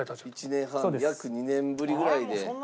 １年半約２年ぶりぐらいで。